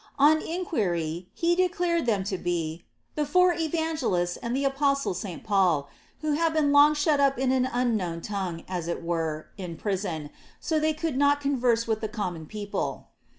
On iiiquiry, he declared them lo be " the four evangelists and the apostle St. Paul, who had been long shut up in an unknown tungiie, as it were, in prison, so thai they could nol converse with the common people."